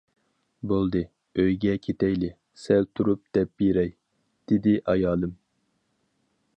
‹‹ بولدى، ئۆيگە كېتەيلى، سەل تۇرۇپ دەپ بېرەي...›› دېدى ئايالىم.